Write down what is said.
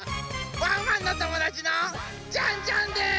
ワンワンのともだちのジャンジャンです！